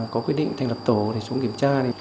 có quyết định thành lập tổ để xuống kiểm tra